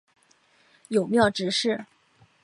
友庙执事。